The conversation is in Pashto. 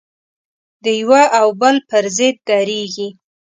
د یوه او بل پر ضد درېږي.